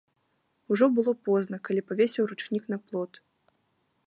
Ужо было позна, калі павесіў ручнік на плот.